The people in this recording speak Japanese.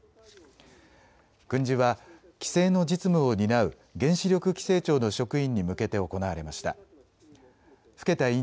訓示は規制の実務を担う原子力規制庁の職員に向けて行われました。